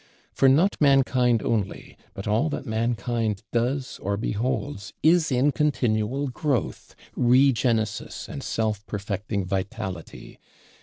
For not Mankind only, but all that Mankind does or beholds, is in continual growth, regenesis and self perfecting vitality.